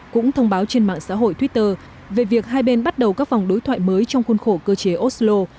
cũng thông báo trên mạng xã hội twitter về việc hai bên bắt đầu các vòng đối thoại mới trong khuôn khổ cơ chế oslo